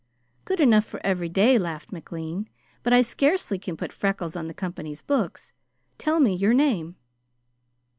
"Good enough for everyday," laughed McLean, "but I scarcely can put 'Freckles' on the company's books. Tell me your name."